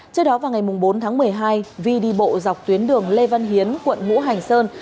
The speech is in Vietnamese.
trước đó vào ngày bốn tháng một mươi hai vi đi bộ dọc tuyến đường lê văn hiến quận mũ hành sơn